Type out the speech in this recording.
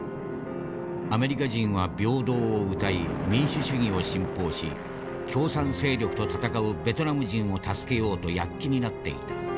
アメリカ人は平等を謳い民主主義を信奉し共産勢力と戦うベトナム人を助けようと躍起になっていた。